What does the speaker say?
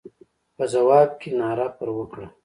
په ځواب کې ناره پر وکړه.